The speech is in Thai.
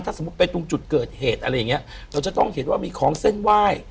ถ้าสมมุติไปตรงจุดเกิดเหตุอะไรอย่างเงี้ยเราจะต้องเห็นว่ามีของเส้นไหว้